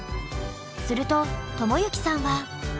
すると知之さんは。